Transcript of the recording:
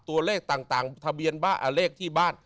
ตัวเลขต่างทะเบียนเลขที่บ้าน